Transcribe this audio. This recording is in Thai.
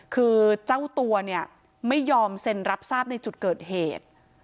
คือเจ้าตัวเนี่ยไม่ยอมเซ็นรับทราบในจุดเกิดเหตุ